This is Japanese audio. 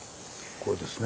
これですね。